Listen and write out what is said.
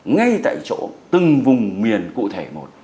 ngay tại chỗ từng vùng miền cụ thể một